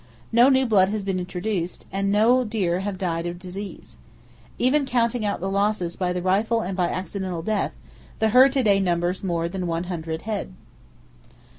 No new blood has been introduced, and no deer have died of disease. Even counting out the losses by the rifle and by accidental death, the herd to day numbers more than one hundred head.